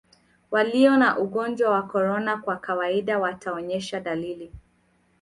walio na ugonjwa wa korona kwa kawaida wataonyesha dalili